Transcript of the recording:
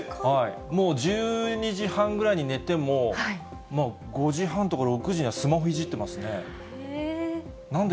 もう１２時半ぐらいに寝ても、５時半とか６時には、スマホいじってますね。